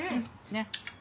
ねっ。